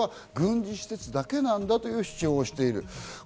でも我々は軍事施設だけなんだという主張をしている。